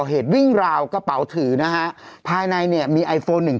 เหตุวิ่งราวกระเป๋าถือนะฮะภายในเนี่ยมีไอโฟหนึ่ง